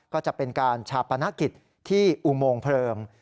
ก็จะเป็นการชาปนกิจที่อุโมงเพลิง